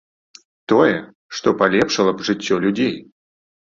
Тое, што палепшыла б жыццё людзей.